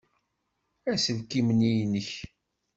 Aselkim-nni i nekk?